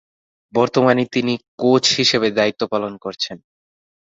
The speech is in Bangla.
বর্তমানে তিনি কোচ হিসেবে দায়িত্ব পালন করছেন।